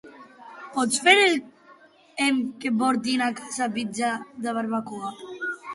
Pots fer que em portin a casa pizza de barbacoa?